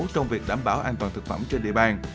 trong việc đảm bảo an toàn thực phẩm trên địa bàn